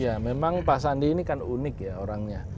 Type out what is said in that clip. ya memang pak sandi ini kan unik ya orangnya